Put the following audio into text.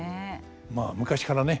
まあ昔からね